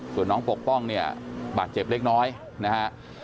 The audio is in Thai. ส่วนน้องปกป้องเนี่ยบาดเจ็บเล็กน้อยนะฮะ